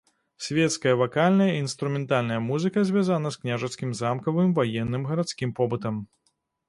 Свецкая вакальная і інструментальная музыка звязана з княжацкім замкавым, ваенным, гарадскім побытам.